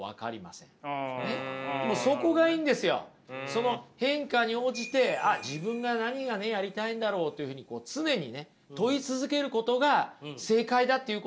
その変化に応じてあっ自分が何がねやりたいんだろうというふうに常にね問い続けることが正解だっていうことなんですよ